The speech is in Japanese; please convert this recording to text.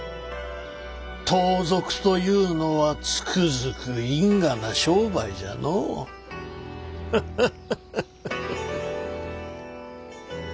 盗賊というのはつくづく因果な商売じゃのう。ハハハハハハ。